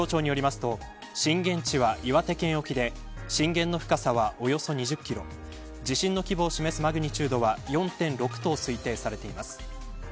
気象庁によりますと、震源地は岩手県沖で震源の深さはおよそ２０キロ地震の規模を示すマグニチュードは４．６と推定されています。